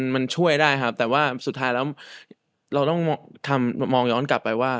มันช่วยได้ครับแต่ว่าสุดท้ายแล้วเราต้องมองย้อนกลับไปว่า